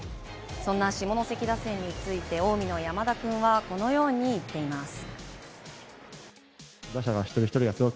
下関国際打線について、近江の山田君は、このように言っています。